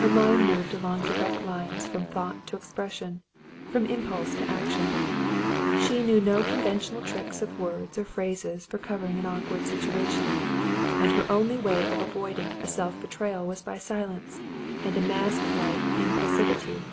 Her mind moved along direct lines from thought to expression — from impulse to action. She knew no con ventional tricks of words or phrases for covering an awk ward situation, and her only way of avoiding a self betrayal was by silence and a masklike impassivity.